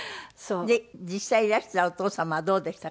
で実際いらしたお父様はどうでしたか？